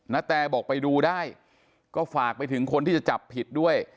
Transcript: แตบอกไปดูได้ก็ฝากไปถึงคนที่จะจับผิดด้วย